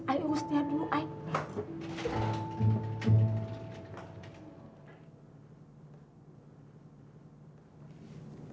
ayah urus dia dulu ayah